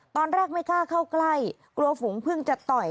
ตอนแรกไม่กล้าเข้าใกล้กลัวฝูงเพิ่งจะต่อย